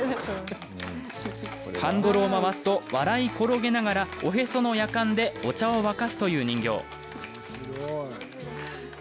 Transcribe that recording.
ハンドルを回すと笑い転げながらおへそのやかんでお茶を沸かすという人形。